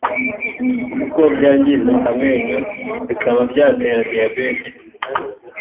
kuko byangiza amenyo bikaba byatera diyabete